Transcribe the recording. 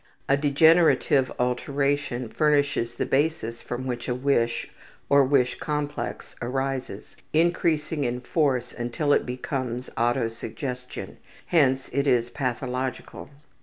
A degenerative alteration furnishes the basis from which a wish or wish complex arises, increasing in force until it becomes autosuggestion, hence it is pathological.